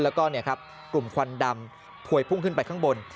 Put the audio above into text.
แล้วก็กลุ่มควันดำพวยพุ่งขึ้นไปข้างบน